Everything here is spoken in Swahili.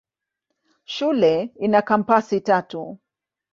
Shule ina kampasi tatu.